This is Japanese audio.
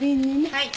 はい。